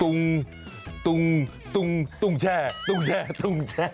ตุ้งตุ้งแช่ตุ้งแช่ตุ้งแช่